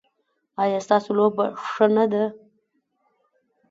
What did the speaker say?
ایا ستاسو لوبه ښه نه ده؟